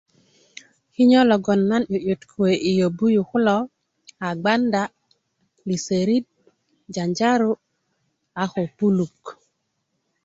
kinyö logon nan 'yu'yut kuwe i yobu yu kulo a bganda liserit janjaro a ko puluk